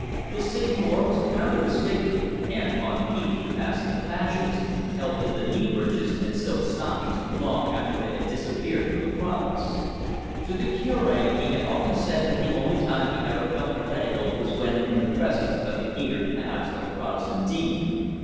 The Seigneur was proud of his figure, and, unheeding the passing of fashions, held to the knee breeches and silk stockings long after they had disappeared from the province. To the Cure he had often said that the only time he ever felt heretical was when in the presence of the gaitered calves of a Protestant dean.